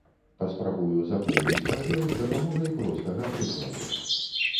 Паспрабую запоўніць прабел з дапамогай простага прыкладу.